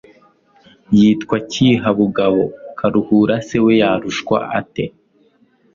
Yitwa Cyiha-bugabo.Karuhura se we yarushwa ate ?